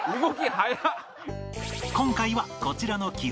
今回はこちらの基本